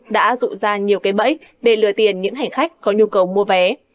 đã rụ ra nhiều cái bẫy để lừa tiền những hành khách có nhu cầu mua vé